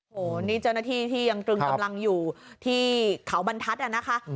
โอ้โหนี่เจ้าหน้าที่ที่ยังตรึงกำลังอยู่ที่เขาบรรทัศน์นะคะ